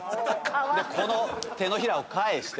でこの手のひらを返して。